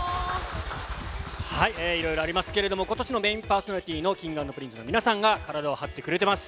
いろいろありますけれども、ことしのメインパーソナリティーのＫｉｎｇ＆Ｐｒｉｎｃｅの皆さんが、体を張ってくれています。